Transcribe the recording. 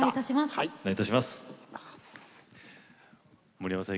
森山さん